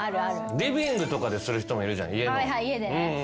リビングとかでする人もいるじゃん家の。